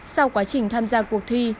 sau quá trình tham gia cuộc thi